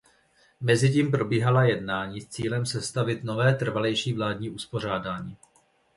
Mezitím probíhala jednání s cílem sestavit nové trvalejší vládní uspořádání.